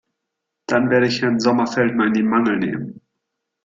Dann werde ich Herrn Sommerfeld mal in die Mangel nehmen.